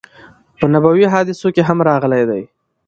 په نبوی حادثو کی هم راغلی دی